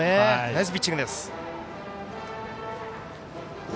ナイスピッチングです。